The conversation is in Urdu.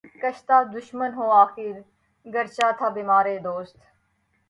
کُشتۂ دشمن ہوں آخر، گرچہ تھا بیمارِ دوست